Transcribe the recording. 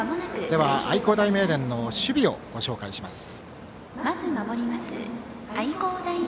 では、愛工大名電の守備をご紹介します。